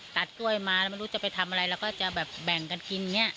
ตัดกล้วยมาไม่รู้จะไปทำอะไรแล้วก็จะแบ่งกันกิน